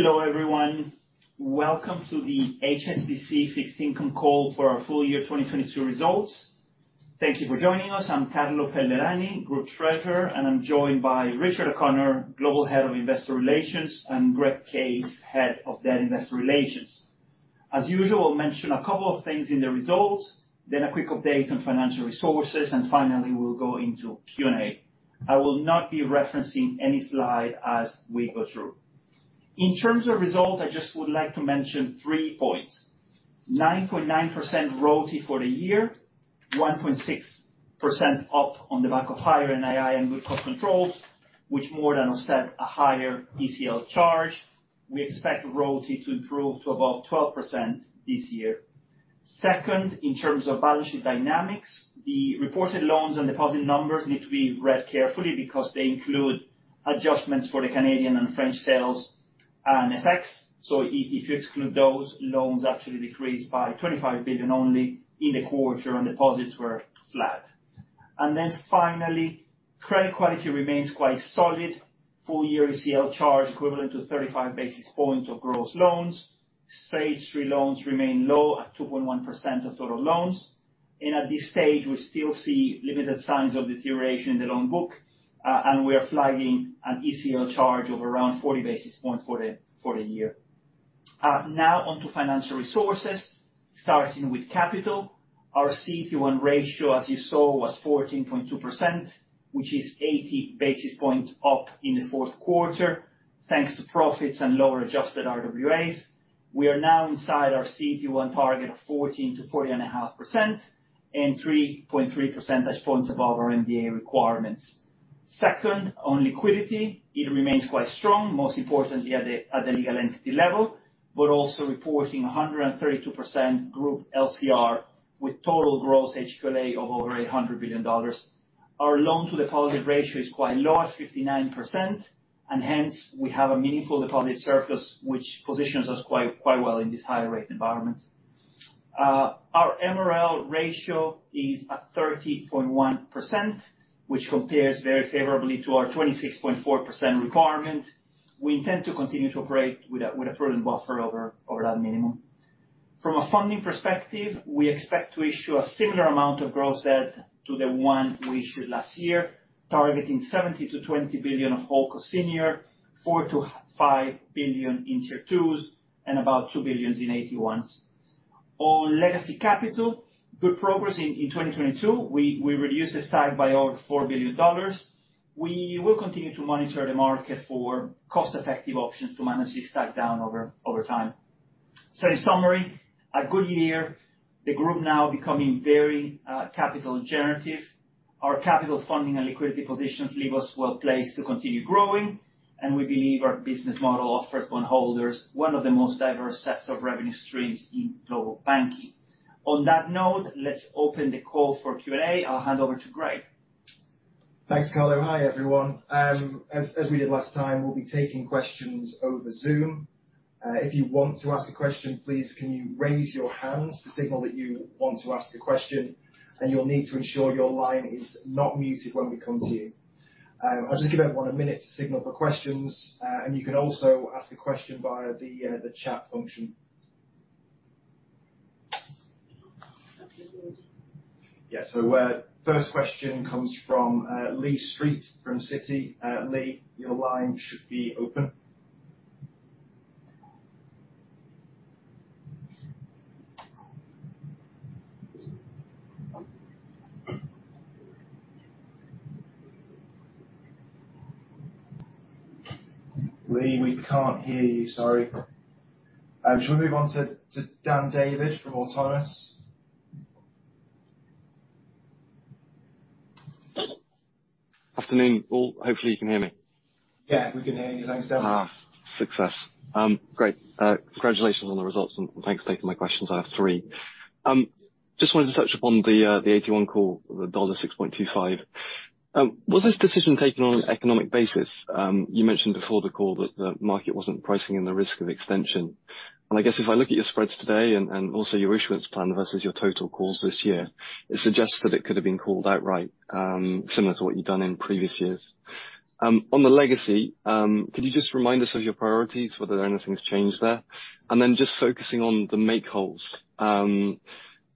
Hello everyone. Welcome to the HSBC Fixed Income call for our full year 2022 results. Thank you for joining us. I'm Carlo Pellerani, Group Treasurer, and I'm joined by Richard O'Connor, Global Head of Investor Relations, and Greg Case, Head of Debt Investor Relations. As usual, I'll mention a couple of things in the results, then a quick update on financial resources, and finally, we'll go into Q&A. I will not be referencing any slide as we go through. In terms of results, I just would like to mention 3 points. 9.9% ROTE for the year. 1.6% up on the back of higher NII and good cost controls, which more than offset a higher ECL charge. We expect ROTE to improve to above 12% this year. Second, in terms of balance sheet dynamics, the reported loans and deposit numbers need to be read carefully because they include adjustments for the Canadian and French sales and effects. If you exclude those, loans actually decreased by $25 billion only in the quarter, and deposits were flat. Finally, credit quality remains quite solid. Full-year ECL charge equivalent to 35 basis points of gross loans. Stage 3 loans remain low at 2.1% of total loans. At this stage, we still see limited signs of deterioration in the loan book, and we are flagging an ECL charge of around 40 basis points for the year. Now on to financial resources, starting with capital. Our CET1 ratio, as you saw, was 14.2%, which is 80 basis points up in the Q4, thanks to profits and lower adjusted RWAs. We are now inside our CET1 target of 14%-14.5% and 3.3 percentage points above our MREL requirements. Second, on liquidity, it remains quite strong, most importantly at the legal entity level, but also reporting a 132% group LCR with total gross HQLA of over $100 billion. Our loan-to-deposit ratio is quite low at 59%. Hence, we have a meaningful deposit surface, which positions us quite well in this higher rate environment. Our MREL ratio is at 30.1%, which compares very favorably to our 26.4% requirement. We intend to continue to operate with a prudent buffer over that minimum. From a funding perspective, we expect to issue a similar amount of gross debt to the one we issued last year, targeting $70 billion-$20 billion of HoldCo senior, $4 billion-$5 billion in Tier 2s, and about $2 billion in AT1s. On legacy capital, good progress in 2022. We reduced the stack by over $4 billion. We will continue to monitor the market for cost-effective options to manage this stack down over time. In summary, a good year. The group now becoming very capital generative. Our capital funding and liquidity positions leave us well placed to continue growing, and we believe our business model offers bondholders one of the most diverse sets of revenue streams in global banking. On that note, let's open the call for Q&A. I'll hand over to Greg. Thanks, Carlo. Hi, everyone. As we did last time, we'll be taking questions over Zoom. If you want to ask a question, please, can you raise your hand to signal that you want to ask a question, and you'll need to ensure your line is not muted when we come to you. I'll just give everyone a minute to signal for questions, and you can also ask a question via the chat function. First question comes from Lee Street from Citi. Lee, your line should be open. Lee, we can't hear you, sorry. Shall we move on to Dan David from Autonomous? Afternoon all. Hopefully you can hear me. Yeah, we can hear you. Thanks, Dan. Success. Great. Congratulations on the results, and thanks for taking my questions. I have three. Just wanted to touch upon the AT1 call, the $6.25. Was this decision taken on an economic basis? You mentioned before the call that the market wasn't pricing in the risk of extension. I guess if I look at your spreads today and also your issuance plan versus your total calls this year, it suggests that it could have been called outright, similar to what you've done in previous years. On the legacy, could you just remind us of your priorities, whether anything's changed there? Just focusing on the make-whole call.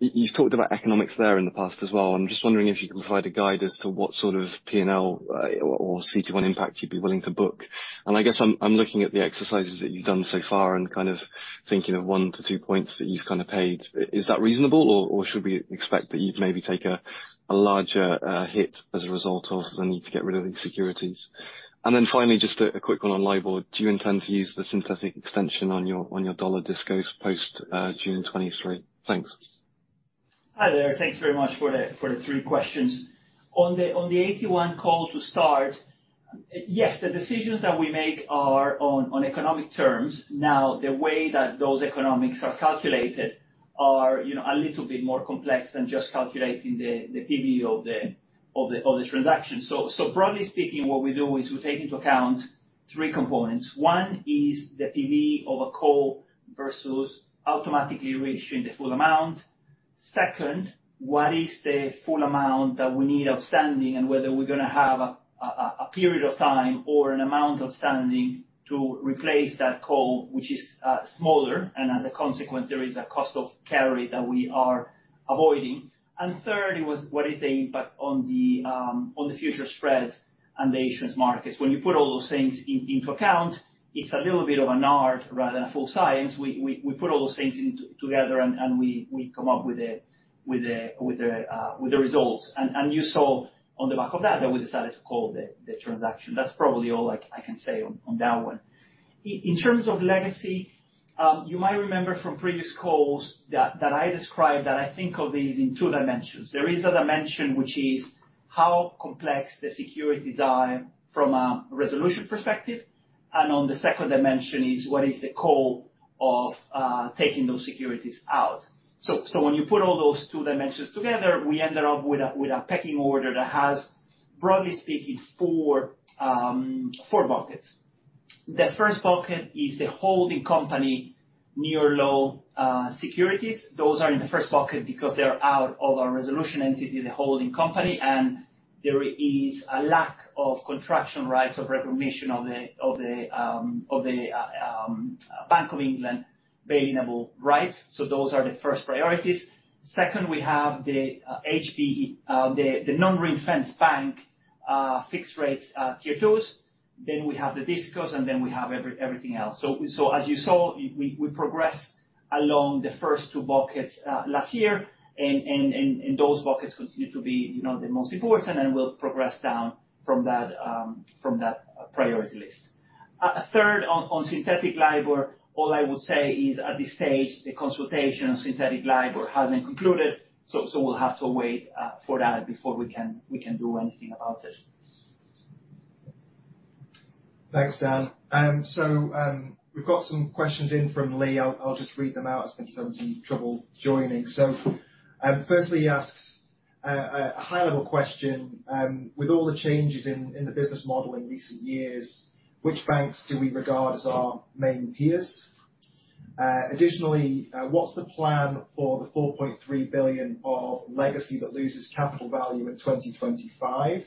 You've talked about economics there in the past as well. I'm just wondering if you can provide a guide as to what sort of P&L or CET1 impact you'd be willing to book. I guess I'm looking at the exercises that you've done so far and kind of thinking of 1 to 2 points that you've kind of paid. Is that reasonable, or should we expect that you'd maybe take a larger hit as a result of the need to get rid of these securities? Finally, just a quick one on LIBOR. Do you intend to use the synthetic extension on your dollar Discos post June 23? Thanks. Hi there. Thanks very much for the three questions. On the AT1 call to start, yes, the decisions that we make are on economic terms. Now, the way that those economics are calculated are, you know, a little bit more complex than just calculating the PBE of the transaction. Broadly speaking, what we do is we take into account three components. One is the PBE of a call versus automatically issuing the full amount. Second, what is the full amount that we need outstanding, and whether we're gonna have a period of time or an amount outstanding to replace that call, which is smaller, and as a consequence, there is a cost of carry that we are avoiding. Third was what is the impact on the future spreads and the Asian markets. When you put all those things into account, it's a little bit of an art rather than a full science. We put all those things together and we come up with the results. You saw on the back of that we decided to call the transaction. That's probably all I can say on that one. In terms of legacy, you might remember from previous calls that I described that I think of these in two dimensions. There is a dimension which is how complex the securities are from a resolution perspective, and on the second dimension is what is the call of taking those securities out. When you put all those two dimensions together, we end up with a pecking order that has, broadly speaking, four buckets. The first bucket is the holding company near low securities. Those are in the first bucket because they are out of our resolution entity, the holding company, and there is a lack of contraction rights of recognition of the Bank of England bail-in-able rights. Those are the first priorities. Second, we have the HB, the non-ring-fenced bank fixed rates Tier 2s. We have the DISCOs, and then we have everything else. As you saw, we progressed along the first two buckets last year and those buckets continue to be, you know, the most important, and we'll progress down from that priority list. Third on synthetic LIBOR, all I will say is at this stage, the consultation on synthetic LIBOR hasn't concluded, we'll have to wait for that before we can do anything about it. Thanks, Dan. We've got some questions in from Lee. I'll just read them out. I think he's having some trouble joining. Firstly, he asks a high-level question with all the changes in the business model in recent years, which banks do we regard as our main peers? Additionally, what's the plan for the $4.3 billion of legacy that loses capital value in 2025?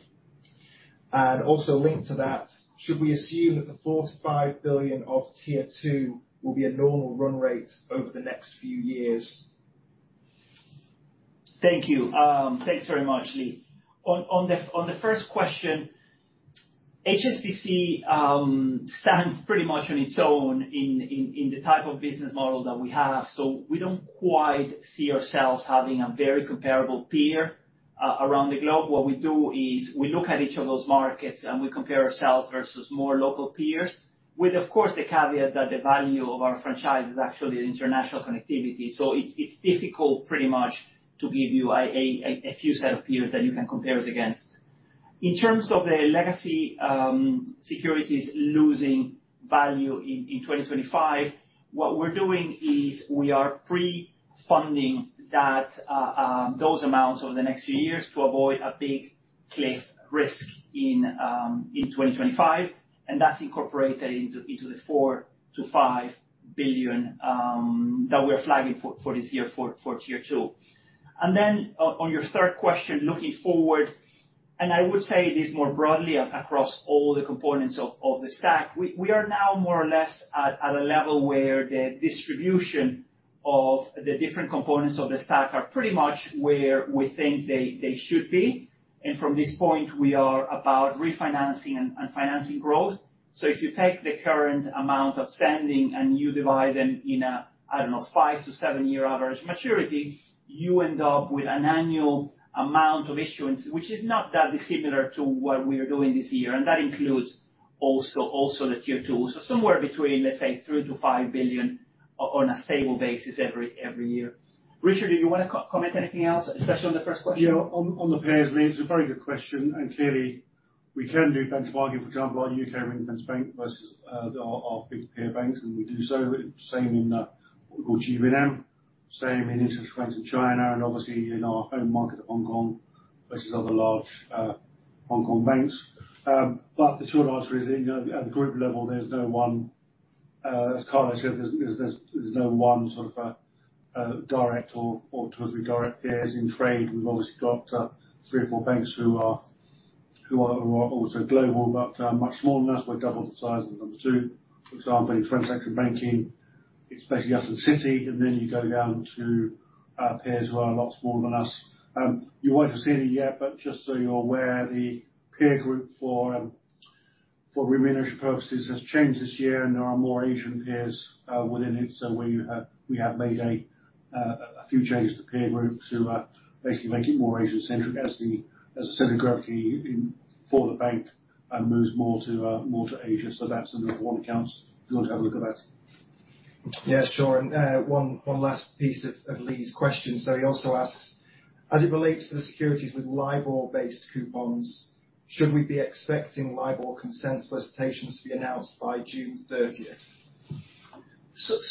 Linked to that, should we assume that the $4 billion-$5 billion of Tier 2 will be a normal run rate over the next few years? Thank you. Thanks very much, Lee. On the first question, HSBC stands pretty much on its own in the type of business model that we have, so we don't quite see ourselves having a very comparable peer around the globe. What we do is we look at each of those markets, and we compare ourselves versus more local peers with, of course, the caveat that the value of our franchise is actually international connectivity. It's difficult pretty much to give you a few set of peers that you can compare us against. In terms of the legacy, securities losing value in 2025, what we're doing is we are pre-funding that, those amounts over the next few years to avoid a big cliff risk in 2025, and that's incorporated into the $4 billion-$5 billion that we are flagging for this year for Tier 2. Then on your third question, looking forward, and I would say this more broadly across all the components of the stack. We are now more or less at a level where the distribution of the different components of the stack are pretty much where we think they should be. From this point, we are about refinancing and financing growth. If you take the current amount of standing and you divide them in a, I don't know, five to seven year average maturity, you end up with an annual amount of issuance, which is not that dissimilar to what we are doing this year, and that includes also the Tier 2. Somewhere between, let's say, $3 billion to $5 billion on a stable basis every year. Richard, do you wanna co-comment anything else, especially on the first question? Yeah. On the peers, Lee, it's a very good question. Clearly, we can do benchmarking, for example, our UK ring-fence bank versus our big peer banks, and we do so. Same in what we call GBN, same in interest rates in China, and obviously in our own market of Hong Kong versus other large Hong Kong banks. The short answer is that, you know, at the group level, there's no one, as Carlo said, there's no one sort of direct or totally direct peers. In trade, we've obviously got three or four banks who are also global but much smaller than us. We're double the size of number two. For example, in transaction banking, it's basically us and Citi, then you go down to peers who are a lot smaller than us. You won't have seen it yet, but just so you're aware, the peer group for remuneration purposes has changed this year, there are more Asian peers within it. We have made a few changes to peer group to basically make it more Asian centric as the, as I said, the gravity in... for the bank moves more to more to Asia. That's under one accounts, if you want to have a look at that. Yeah, sure. One last piece of Lee's question. He also asks, as it relates to the securities with LIBOR-based coupons, should we be expecting LIBOR consent solicitations to be announced by June 30th?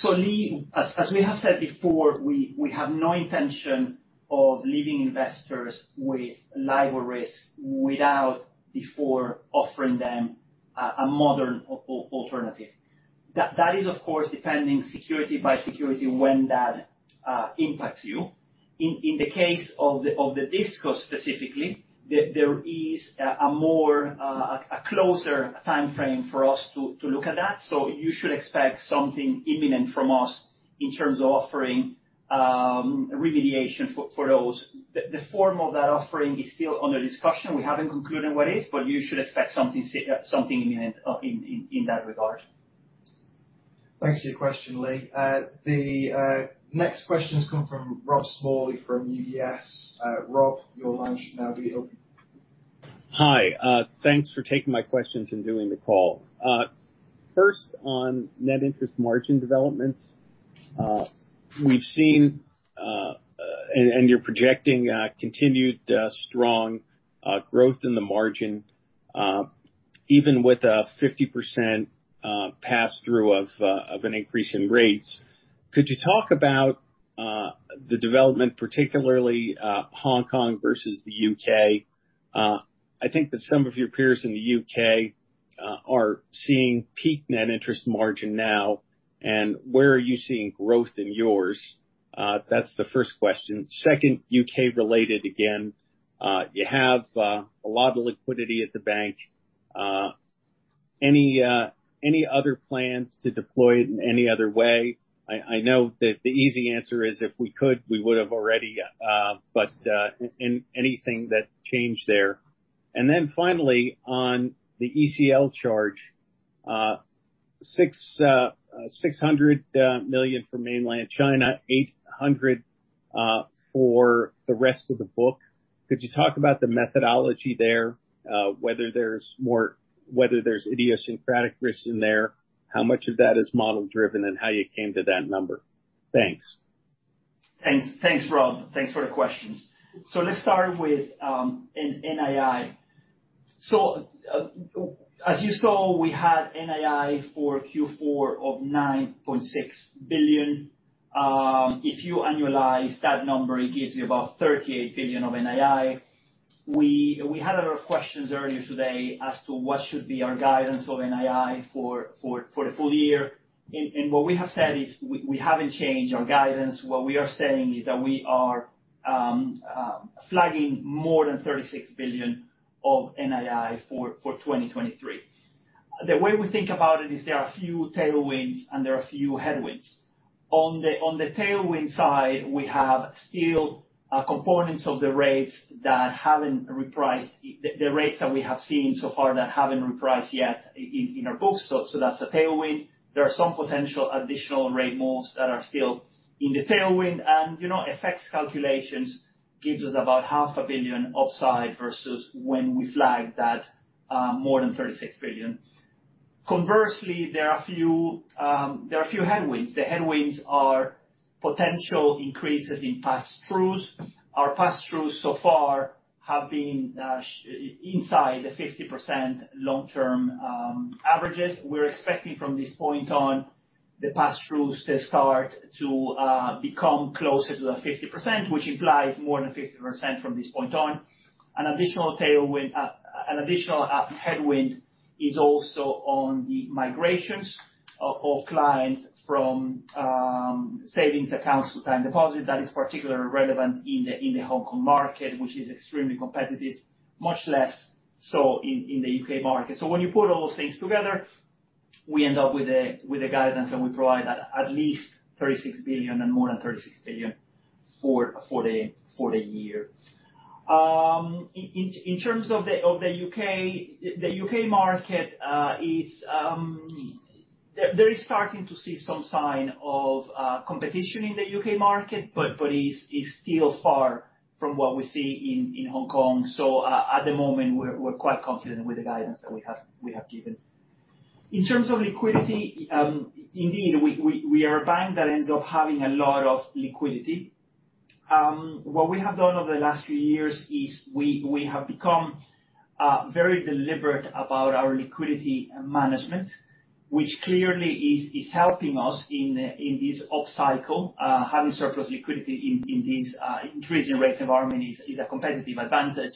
Lee, as we have said before, we have no intention of leaving investors with LIBOR risk without before offering them a modern alternative. That is of course depending security by security when that impacts you. In the case of the Disco specifically, there is a more closer timeframe for us to look at that. You should expect something imminent from us in terms of offering remediation for those. The form of that offering is still under discussion. We haven't concluded what is, but you should expect something imminent in that regard. Thanks for your question, Lee. The next question has come from Rob Smalley from UBS. Rob, your line should now be open. Hi. Thanks for taking my questions and doing the call. First on net interest margin developments, we've seen, and you're projecting, continued strong growth in the margin, even with a 50% passthrough of an increase in rates. Could you talk about the development particularly Hong Kong versus the U.K.? I think that some of your peers in the U.K. are seeing peak net interest margin now, and where are you seeing growth in yours? That's the first question. Second, U.K. related again. You have a lot of liquidity at the bank. Any other plans to deploy it in any other way? I know that the easy answer is if we could, we would have already. Anything that changed there. Finally on the ECL charge, $600 million for mainland China, $800 million for the rest of the book. Could you talk about the methodology there, whether there's idiosyncratic risk in there, how much of that is model-driven, and how you came to that number? Thanks. Thanks. Thanks, Rob. Thanks for the questions. Let's start with NII. As you saw, we had NII for Q4 of $9.6 billion. If you annualize that number, it gives you about $38 billion of NII. We had a lot of questions earlier today as to what should be our guidance of NII for the full year. What we have said is we haven't changed our guidance. What we are saying is that we are flagging more than $36 billion of NII for 2023. The way we think about it is there are a few tailwinds and there are a few headwinds. On the tailwind side, we have still components of the rates that haven't repriced... The rates that we have seen so far that haven't repriced yet in our books. That's a tailwind. There are some potential additional rate moves that are still in the tailwind. You know, FX calculations gives us about half a billion upside versus when we flagged that, more than $36 billion. Conversely, there are a few headwinds. The headwinds are potential increases in pass-throughs. Our pass-throughs so far have been inside the 50% long-term averages. We're expecting from this point on the pass-throughs to start to become closer to the 50%, which implies more than 50% from this point on. An additional tailwind, an additional headwind is also on the migrations of clients from savings accounts to time deposit. That is particularly relevant in the Hong Kong market, which is extremely competitive, much less so in the UK market. When you put all those things together, we end up with a guidance, and we provide at least $36 billion and more than $36 billion for the year. In terms of the UK, the UK market is starting to see some sign of competition in the UK market, but is still far from what we see in Hong Kong. At the moment, we're quite confident with the guidance that we have given. In terms of liquidity, indeed, we are a bank that ends up having a lot of liquidity. What we have done over the last few years is we have become very deliberate about our liquidity management, which clearly is helping us in this upcycle. Having surplus liquidity in these increasing rate environment is a competitive advantage.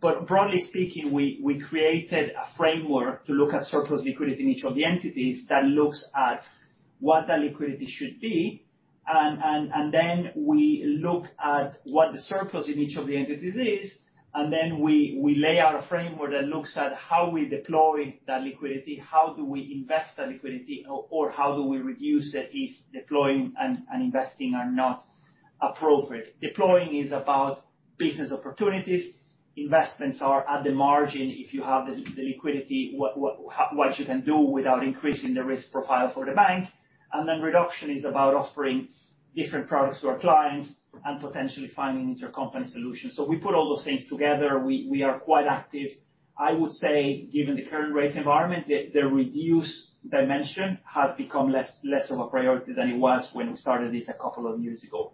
Broadly speaking, we created a framework to look at surplus liquidity in each of the entities that looks at what that liquidity should be, and then we look at what the surplus in each of the entities is, and then we lay out a framework that looks at how we deploy that liquidity, how do we invest that liquidity or how do we reduce it if deploying and investing are not appropriate. Deploying is about business opportunities. Investments are at the margin, if you have the liquidity, what you can do without increasing the risk profile for the bank. Reduction is about offering different products to our clients and potentially finding intercompany solutions. We put all those things together. We are quite active. I would say, given the current rate environment, the reduce dimension has become less of a priority than it was when we started this a couple of years ago.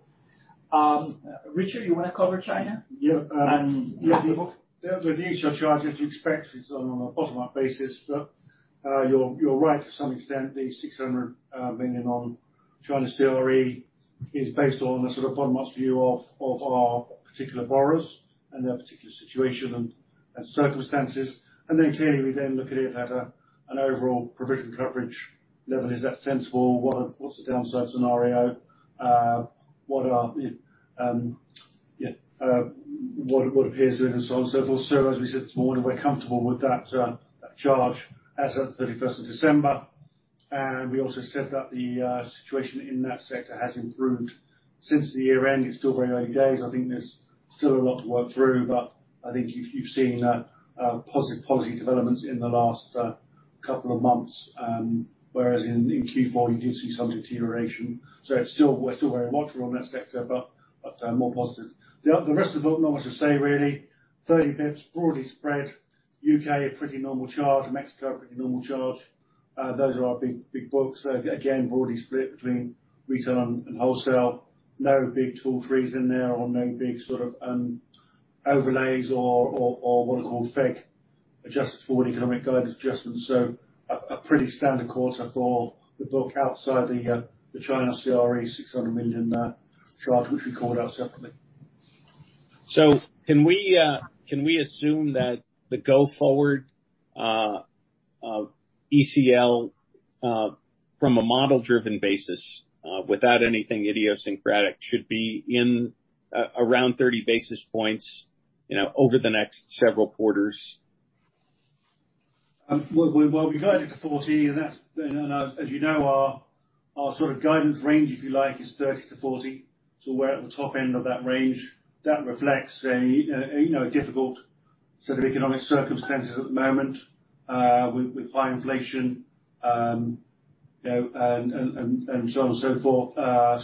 Richard, you wanna cover China? Yeah. The book. The ECL charge, as you expect, is on a bottom-up basis. You're right to some extent, the $600 million on China still are. Is based on a sort of bottom up view of our particular borrowers and their particular situation and circumstances. Clearly we then look at it at a, an overall provision coverage level. Is that sensible? What's the downside scenario? What are the, what appears within and so on and so forth. As we said this morning, we're comfortable with that charge as at 31st of December. We also said that the situation in that sector has improved since the year end. It's still very early days. I think there's still a lot to work through, but I think you've seen positive policy developments in the last couple of months. Whereas in Q4, you did see some deterioration. It's still, we're still very watchful on that sector, but, more positive. The rest of the book, not much to say really. 30 basis points broadly spread. U.K., a pretty normal charge. Mexico, a pretty normal charge. Those are our big books. Again, broadly split between return and wholesale. No big tool frees in there or no big sort of overlays or what are called FEC adjustments for economic guidance adjustments. A pretty standard quarter for the book outside the China CRE $600 million charge, which we called out separately. Can we assume that the go forward, ECL, from a model-driven basis, without anything idiosyncratic should be around 30 basis points, you know, over the next several quarters? We guided to 40 and as you know our sort of guidance range if you like, is 30-40. We're at the top end of that range. That reflects a, you know, a difficult set of economic circumstances at the moment, with high inflation, you know, and so on and so forth.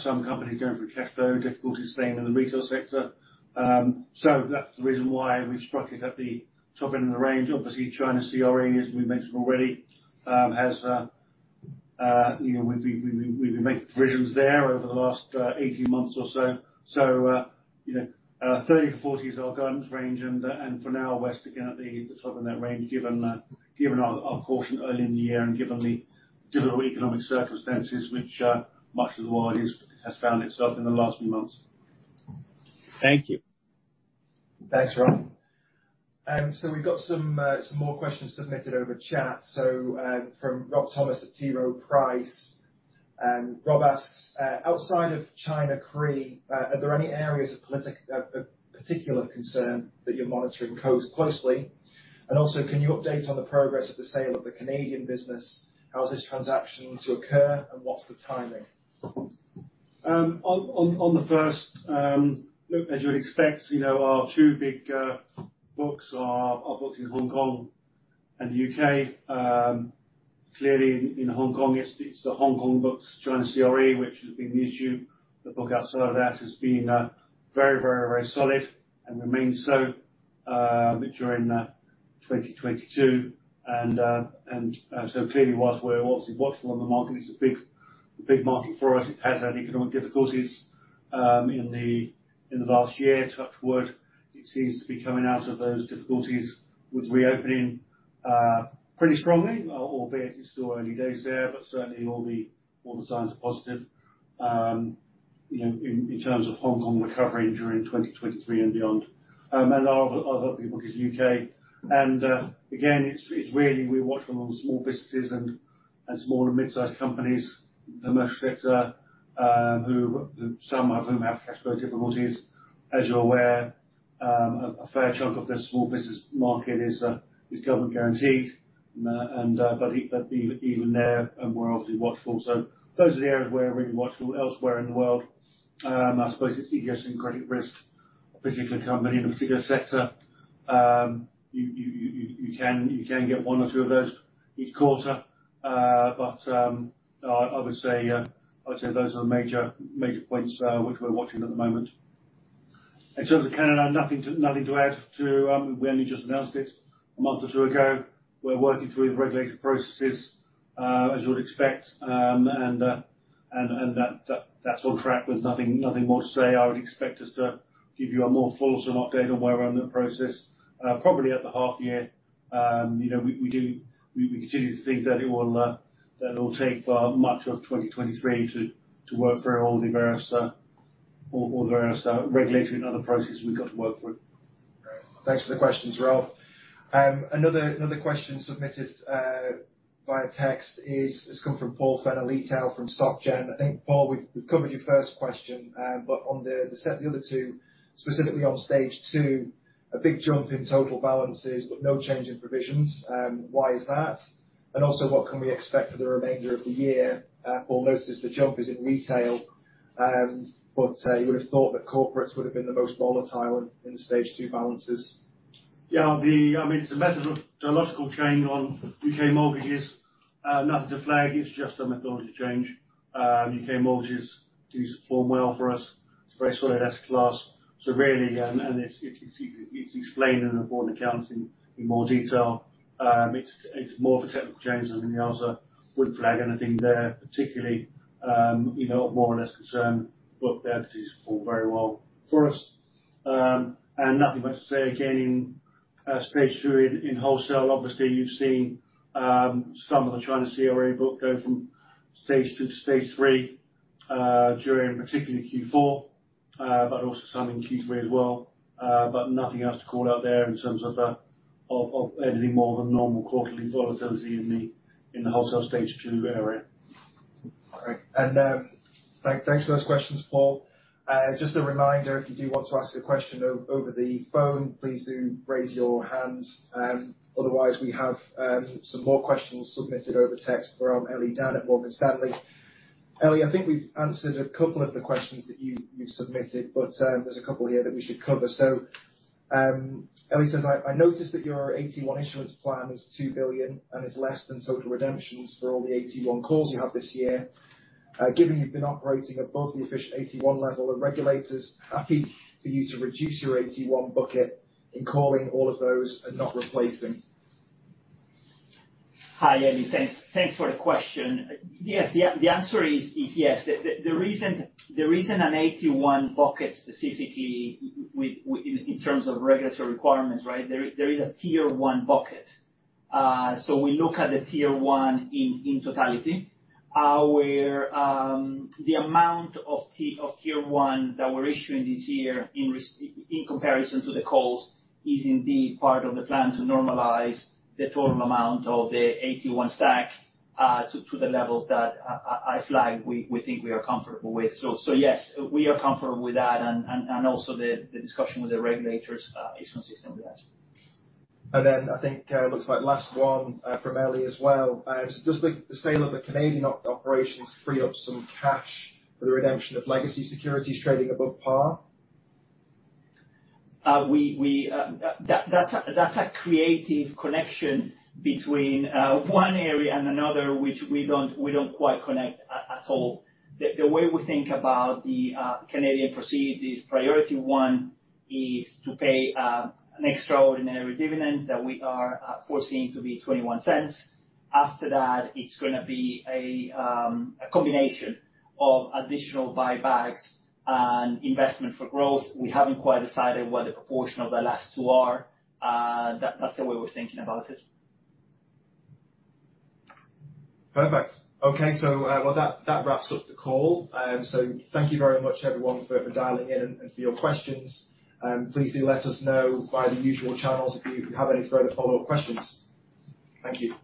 Some companies going through cashflow difficulties, same in the retail sector. That's the reason why we've struck it at the top end of the range. Obviously China CRE, as we mentioned already, has, you know, we've been making provisions there over the last 18 months or so. You know, 30-40 is our guidance range and for now we're sitting at the top end of that range given our caution early in the year and given the economic circumstances which much of the world has found itself in the last few months. Thank you. Thanks, Rob. We've got some more questions submitted over chat. From Rob Thomas at T. Rowe Price. Rob asks, outside of China CRE, are there any areas of particular concern that you're monitoring closely? Also can you update on the progress of the sale of the Canadian business? How is this transaction to occur, and what's the timing? On the first look as you'd expect, you know, our two big books are booked in Hong Kong and the UK. Clearly in Hong Kong, it's the Hong Kong books, China CRE, which has been the issue. The book outside of that has been very, very, very solid and remains so during 2022. So clearly whilst we're obviously watchful on the market, it's a big market for us. It has had economic difficulties in the last year. Touch wood, it seems to be coming out of those difficulties with reopening pretty strongly, albeit it's still early days there. Certainly all the, all the signs are positive, you know, in terms of Hong Kong recovering during 2023 and beyond. And our other big book is UK. Again, it's really we watch them on small businesses and small and mid-sized companies, the most sector, some of whom have cashflow difficulties. As you're aware, a fair chunk of the small business market is government-guaranteed. Even there we're obviously watchful. Those are the areas where we're really watchful. Elsewhere in the world, I suppose it's idiosyncratic risk, a particular company in a particular sector. You can get one or two of those each quarter. I would say those are the major points which we're watching at the moment. In terms of Canada, nothing to add to. We only just announced it a month or 2 ago. We're working through the regulatory processes, as you would expect. That's on track with nothing more to say. I would expect us to give you a more fulsome update on where we're in that process, probably at the half-year. You know, we do continue to think that it will that it'll take much of 2023 to work through all the various regulatory and other processes we've got to work through. Thanks for the questions, Rob. Another question submitted via text is, it's come from Paul Fenner-Leitão from Société Générale. I think Paul, we've covered your first question. On the other two, specifically on Stage 2, a big jump in total balances but no change in provisions. Why is that? What can we expect for the remainder of the year? Paul notices the jump is in retail, you would have thought that corporates would have been the most volatile in the Stage 2 balances. I mean, it's a methodological change on UK mortgages. Nothing to flag, it's just a methodology change. UK mortgages do perform well for us. It's a very solid asset class. Really, and it's explained in the board accounts in more detail. It's more of a technical change than anything else. I wouldn't flag anything there particularly. you know, more or less concerned, but the entities perform very well for us. Nothing much to say again in Stage 2 in wholesale. Obviously, you've seen some of the China CRE book go from Stage 2 to Stage 3 during particularly Q4, but also some in Q3 as well. Nothing else to call out there in terms of anything more than normal quarterly volatility in the wholesale Stage 2 area. All right. Thanks for those questions, Paul. Just a reminder, if you do want to ask a question over the phone, please do raise your hand. We have some more questions submitted over text from Ellie Down at Morgan Stanley. Ellie, I think we've answered a couple of the questions that you submitted, but there's a couple here that we should cover. Ellie says, I noticed that your AT1 insurance plan is $2 billion and is less than total redemptions for all the AT1 calls you have this year. Given you've been operating above the efficient AT1 level and regulators happy for you to reduce your AT1 bucket in calling all of those and not replacing. Hi, Ellie. Thanks for the question. Yes. The answer is yes. The reason an AT1 bucket specifically in terms of regulatory requirements, right? There is a Tier 1 bucket. We look at the Tier 1 in totality. Where the amount of Tier 1 that we're issuing this year in comparison to the calls is indeed part of the plan to normalize the total amount of the AT1 stack to the levels that I flagged we think we are comfortable with. Yes, we are comfortable with that and also the discussion with the regulators is consistent with that. I think, looks like last one, from Ellie as well. Does the sale of the Canadian operations free up some cash for the redemption of legacy securities trading above par? That's a creative connection between one area and another, which we don't, we don't quite connect at all. The way we think about the Canadian proceeds is priority one is to pay an extraordinary dividend that we are foreseeing to be $0.21. After that, it's gonna be a combination of additional buybacks and investment for growth. We haven't quite decided what the proportion of the last two are. That's the way we're thinking about it. Perfect. Okay. Well, that wraps up the call. Thank you very much everyone for dialing in and for your questions. Please do let us know via the usual channels if you have any further follow-up questions. Thank you.